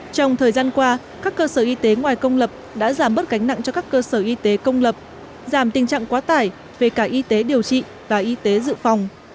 trong thời gian qua các cơ sở y tế ngoài công lập đã giảm bớt gánh nặng cho các cơ sở y tế công lập giảm tình trạng quá tải về cả y tế điều trị và y tế dự phòng